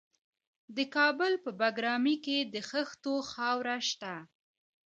د کابل په بګرامي کې د خښتو خاوره شته.